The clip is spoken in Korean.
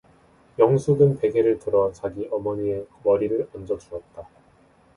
영숙은 베개를 들어 자기 어머니의 머리를 얹어 주었다.